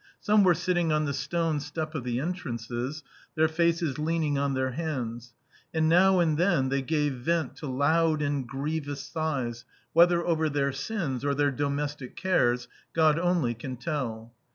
Some were sitting on the stone step of the entrances, their faces leaning on their hands, and now and then they gave vent to loud and grievous sighs, whether over their sins or their domestic cares, God only can tell.